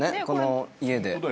この家で。